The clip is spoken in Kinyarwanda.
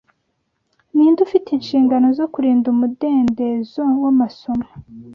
Ninde ufite inshingano zo kurinda umudendezo wamasomo